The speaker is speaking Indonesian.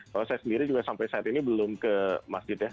kalau saya sendiri juga sampai saat ini belum ke masjid ya